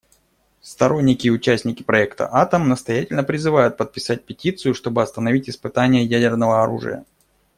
Сторонники и участники проекта "Атом" настоятельно призывают подписать петицию, чтобы остановить испытания ядерного оружия.